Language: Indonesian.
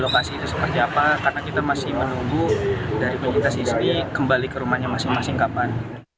karena kita masih menunggu dari penyakit yang terjadi kembali ke rumahnya masing masing kapan